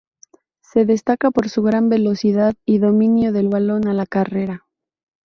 Se destaca por su gran velocidad y dominio del balón a la carrera.